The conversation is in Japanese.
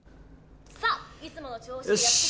「さあいつもの調子で」